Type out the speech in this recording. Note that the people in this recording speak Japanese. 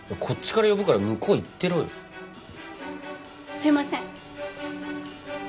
すいません。